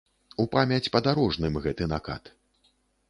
У памяць падарожным гэты накат.